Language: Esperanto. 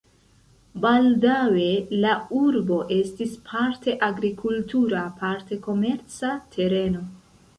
Baldaŭe la urbo estis parte agrikultura, parte komerca tereno.